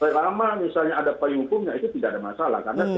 selama misalnya ada payung hukumnya itu tidak ada masalah